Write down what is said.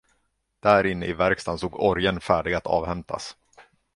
Där inne i verkstan stod orgeln färdig att avhämtas.